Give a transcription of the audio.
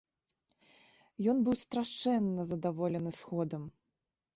Ён быў страшэнна здаволены сходам.